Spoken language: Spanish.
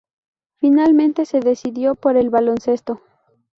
Finalmente, se decidió por el baloncesto.